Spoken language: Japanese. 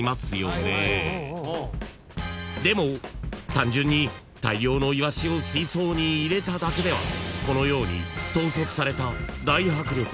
［でも単純に大量のイワシを水槽に入れただけではこのように統率された］